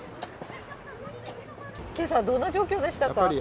けさ、どんな状況でしたか？